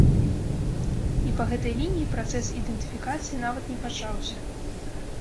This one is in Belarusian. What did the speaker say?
І па гэтай лініі працэс ідэнтыфікацыі нават не пачаўся.